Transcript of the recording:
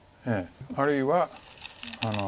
あるいは。